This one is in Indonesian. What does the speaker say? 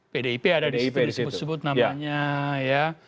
pdip ada disitu disebut sebut namanya